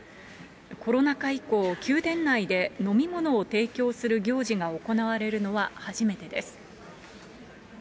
コロナ禍以降、宮殿内で飲み物を提供する行事が行われるのは初めてです。